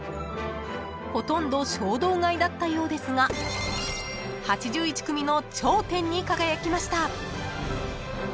［ほとんど衝動買いだったようですが８１組の頂点に輝きました］